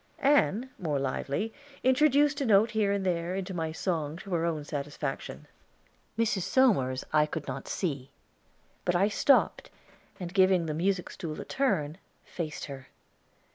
Ann, more lively, introduced a note here and there into my song to her own satisfaction. Mrs. Somers I could not see; but I stopped and, giving the music stool a turn, faced her.